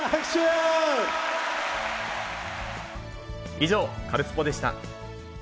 以上、カルスポっ！でした。